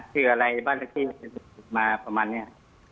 คืออะไรบ้านที่มาประมาณเนี่ย